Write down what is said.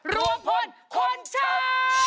รวมผลคนช้ำ